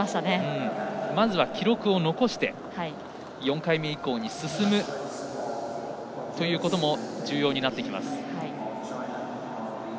まず記録を残して４回目以降に進むということも重要になってきます。